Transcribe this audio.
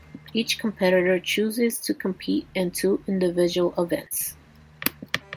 Each competitor chooses to compete in two individual events.